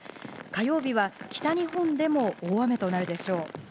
火曜日は、北日本でも大雨となるでしょう。